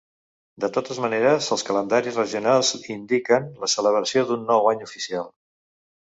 De totes maneres, els calendaris regionals indiquen la celebració d'un nou any oficial.